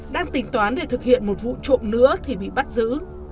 đang tính toán để thực hiện một vụ trộm nữa thì bị bắt giữ